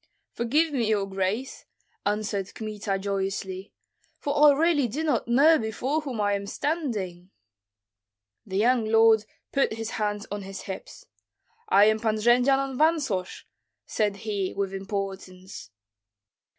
"Forgive me, your grace," answered Kmita, joyously, "for really I do not know before whom I am standing." The young lord put his hands on his hips: "I am Pan Jendzian of Vansosh," said he, with importance.